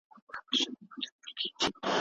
دولت باید د خلګو هوساینې ته کار وکړي.